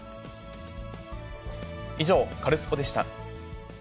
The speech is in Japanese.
以上、カルスポっ！でした。